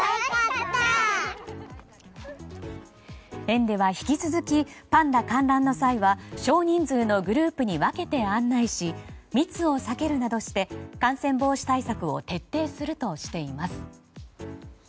園では引き続きパンダ観覧の際は少人数のグループに分けて案内し密を避けるなどして感染防止対策を徹底するとしています。